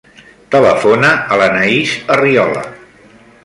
Telefona a l'Anaís Arriola.